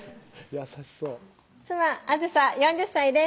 優しそう妻・あずさ４０歳です